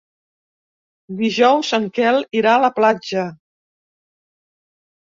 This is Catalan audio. Dijous en Quel irà a la platja.